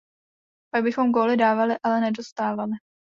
Pak bychom góly dávali, ale nedostávali.